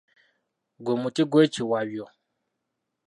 Gwe muti gwekiwabyo.